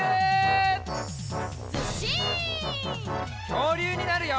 きょうりゅうになるよ！